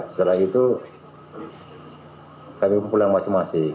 setelah itu kami pulang masing masing